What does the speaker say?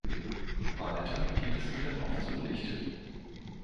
Weiter geht es mit dem Aufzug nicht.